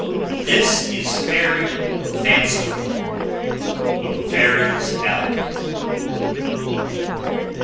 This is Fairy Fanciful, IN FAIRY'S ALBUM.